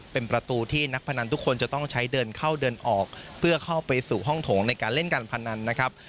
เป็นประตูที่นักพนันทุกคนจะต้องใช้เดินเข้าเดินออกเพื่อเข้าไปสู่ห้องโถงในการเล่นการพนันนะครับ